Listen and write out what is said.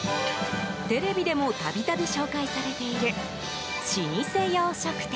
テレビでも度々、紹介されている老舗洋食店。